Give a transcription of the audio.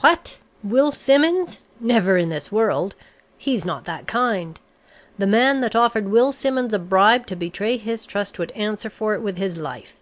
"What? Will Simmons? Never in this world! He's not that kind. The man that offered Will Simmons a bribe to betray his trust would answer for it with his life.